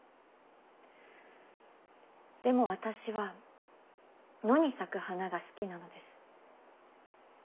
でも私は野に咲く花が好きなのです。